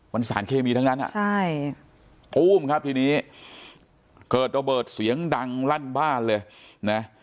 มันสารเคมีทั้งนั้นอ่ะใช่ตู้มครับทีนี้เกิดระเบิดเสียงดังลั่นบ้านเลยนะ